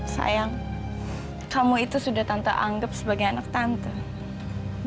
sayang kamu itu sudah tanpa anggap sebagai anak tante